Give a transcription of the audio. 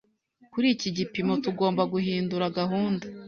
Kuri iki gipimo, tugomba guhindura gahunda